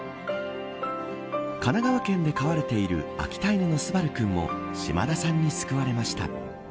神奈川県で飼われている秋田犬のスバルくんも島田さんに救われました。